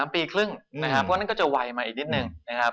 ๓ปีครึ่งนะครับเพราะนั่นก็จะไวมาอีกนิดนึงนะครับ